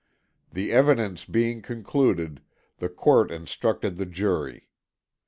The evidence being concluded, the court instructed the jury.